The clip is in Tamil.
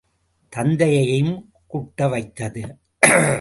தந்தையையும் குட்ட வைத்தது.